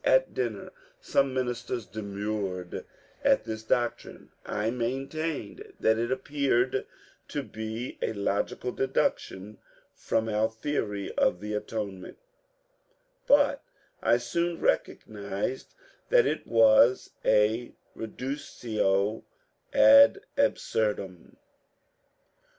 At dinner some ministers demurred at this doctrine ; I maintained that it appeared to be a logi cal deduction from our theory of the Atonement But I soon recognized that it was a reductio ad absurdum.